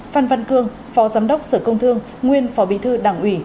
phan văn cương phó giám đốc sở công thương nguyên phó bí thư đảng ủy